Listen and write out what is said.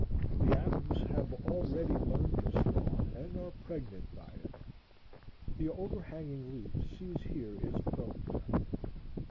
The atoms have already learned this law, and are pregnant by it. The overhanging leaf sees here its prototype.